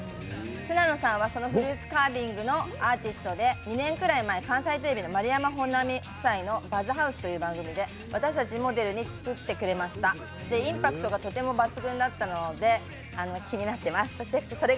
砂野さんはそのフルーツカービングのアーティストで、２年くらい前、関西テレビの「丸山・本並夫妻のバズＨｏｕｓｅ」という番組で、私たちをモデルに作ってくれました、インパクトがとても抜群だったので気になっています。